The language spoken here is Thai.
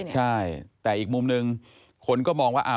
ใช่แต่อีกมุมหนึ่งคนก็มองว่า